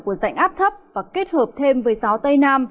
của rãnh áp thấp và kết hợp thêm với gió tây nam